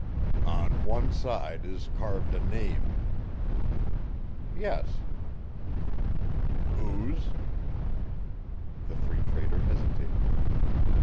"On one side is carved a name." "Yes." "Whose?" The Free Trader hesitated.